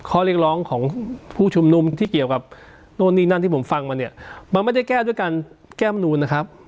ข้อเรียกร้องของผู้ชุมนุมที่เกี่ยวกับนู่นนี่นั่นที่ผมฟังมาเนี่ยมันไม่ได้แก้ด้วยการแก้มนูนนะครับ